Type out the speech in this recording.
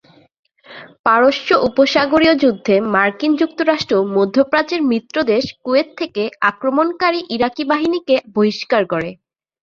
পারস্য উপসাগরীয় যুদ্ধে মার্কিন যুক্তরাষ্ট্র মধ্যপ্রাচ্যের মিত্র দেশ কুয়েত থেকে আক্রমণকারী ইরাকি বাহিনীকে বহিষ্কার করে।